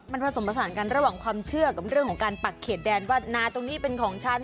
มันผสมผสานกันระหว่างความเชื่อกับเรื่องของการปักเขตแดนว่านาตรงนี้เป็นของฉัน